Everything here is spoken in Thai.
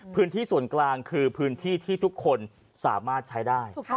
พื้นที่ส่วนกลางคือพื้นที่ที่ทุกคนสามารถใช้ได้